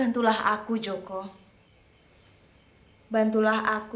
dihindari orang lain